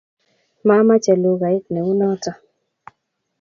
mamache lukait ne u noto